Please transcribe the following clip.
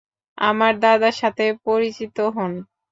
আমার দাদার সাথে পরিচিত হোন।